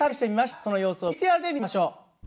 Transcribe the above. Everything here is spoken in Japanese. その様子をＶＴＲで見てみましょう。